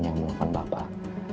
yang menelpon bapak